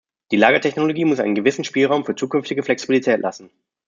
Die Lagertechnologie muss einen gewissen Spielraum für zukünftige Flexibilität lassen.